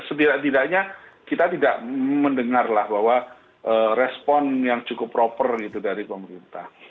setidak tidaknya kita tidak mendengarlah bahwa respon yang cukup proper gitu dari pemerintah